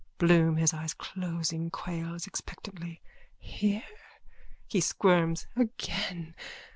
BLOOM: (His eyes closing, quails expectantly.) Here? (He squirms.) Again!